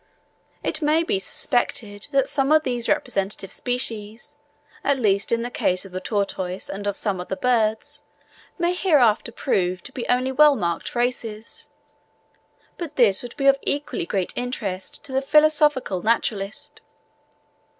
It may be suspected that some of these representative species, at least in the case of the tortoise and of some of the birds, may hereafter prove to be only well marked races; but this would be of equally great interest to the philosophical naturalist.